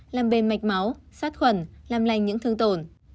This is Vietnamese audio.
làm bề mạch máu sát khuẩn làm lành những thương tổn